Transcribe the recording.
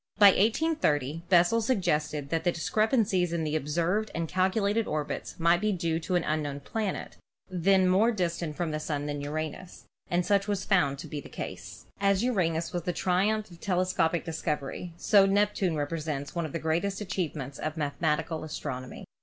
About 1830 Bessel suggested that the discrepancies in the observed and calculated orbits might be due to an unknown planet, then more distant from the Sun than Uranus, and such was found to be the As Uranus was the triumph of telescopic discovery, so Neptune represents one of the greatest achievements of mathematical astronomy.